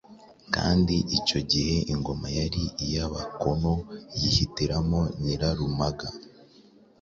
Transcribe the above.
kandi icyo gihe ingoma yari iy'Abakono. Yihitiramo Nyirarumaga,